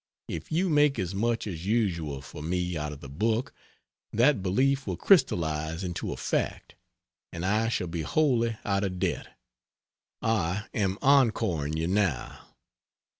If you make as much as usual for me out of the book, that belief will crystallize into a fact, and I shall be wholly out of debt. I am encoring you now.